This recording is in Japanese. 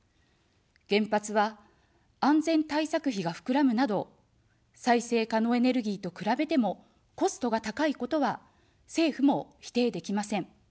原発は安全対策費がふくらむなど、再生可能エネルギーと比べてもコストが高いことは政府も否定できません。